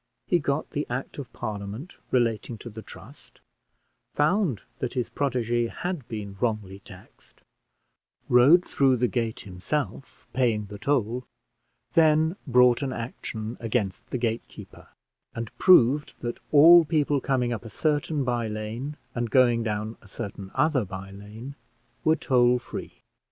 He got the Act of Parliament relating to the trust, found that his protégée had been wrongly taxed, rode through the gate himself, paying the toll, then brought an action against the gate keeper, and proved that all people coming up a certain by lane, and going down a certain other by lane, were toll free.